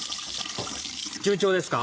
順調ですか？